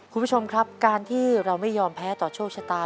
คุณผู้ชมครับการที่เราไม่ยอมแพ้ต่อโชคชะตา